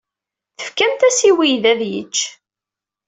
Tefkamt-as i weydi ad yecc.